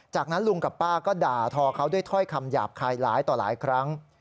จากนั้นลุงกับป้าก็ด่าทอเขาด้วยถ้อยคำหยาบคายหลายต่อหลายครั้ง